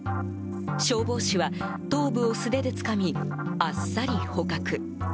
消防士は、頭部を素手でつかみあっさり捕獲。